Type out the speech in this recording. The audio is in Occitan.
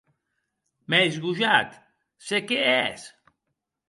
Mès gojat, se qué hès?